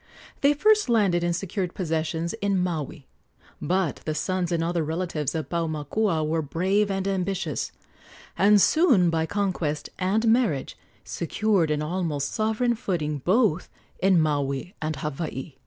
They first landed and secured possessions in Maui; but the sons and other relatives of Paumakua were brave and ambitious, and soon by conquest and marriage secured an almost sovereign footing both in Maui and Hawaii.